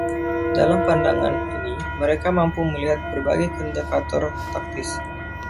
Dalam pandangan ini, mereka mampu melihat berbagai indikator taktis.